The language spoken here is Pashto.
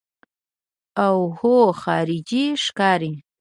اوهو خارجۍ ښکاري.